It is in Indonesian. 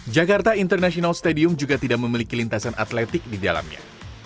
jakarta international stadium juga tidak memiliki lintasan atletik di dalamnya